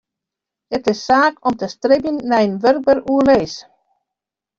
It is saak om te stribjen nei in wurkber oerlis.